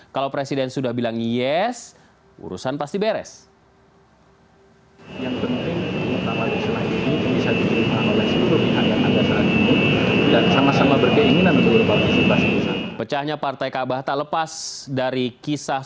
kalau presiden sudah bilang yes urusan pasti beres